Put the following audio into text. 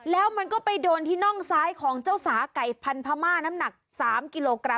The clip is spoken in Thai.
แล้วมันก็ไปโดนที่น่องซ้ายของเจ้าสาไก่พันธม่าน้ำหนัก๓กิโลกรัม